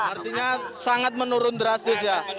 artinya sangat menurun drastis ya